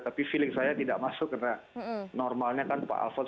tapi feeling saya tidak masuk karena normalnya kan pak alfon